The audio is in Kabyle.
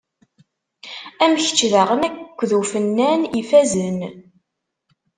Am kečč daɣen akked ufennan ifazen.